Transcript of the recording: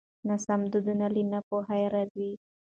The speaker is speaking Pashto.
ناسم دودونه له ناپوهۍ راځي.